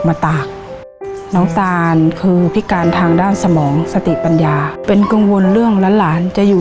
ตากน้องตานคือพิการทางด้านสมองสติปัญญาเป็นกังวลเรื่องหลานหลานจะอยู่